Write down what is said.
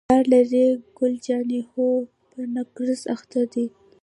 پلار لرې؟ ګل جانې: هو، په نقرس اخته دی.